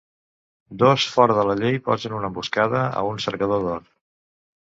Dos fora de la llei posen una emboscada a un cercador d'or.